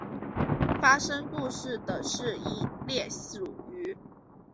发生事故的是一列属于。